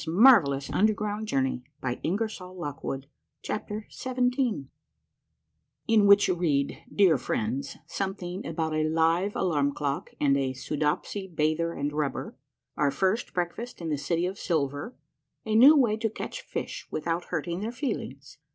104 A MARVELLOUS UNDERGROUND JOURNEY CHAPTER XVII IN WHICH YOU READ, DEAR FRIENDS, SOMETHING ABOUT A LIVE ALARM CLOCK AND A SOODOPSY BATHER AND RUBBER. — OUR FIRST BREAKFAST IN THE CITY OF SILVER. — A NEW WAY TO CATCH FISH WITHOUT HURTING THEIR FEELINGS.